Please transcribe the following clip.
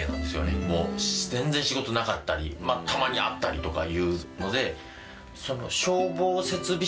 全然仕事なかったりたまにあったりとかいうので。